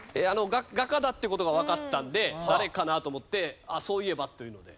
画家だっていう事がわかったんで誰かな？と思ってあっそういえばというので。